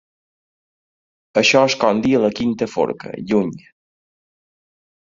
Això és com dir a la quinta forca, lluny.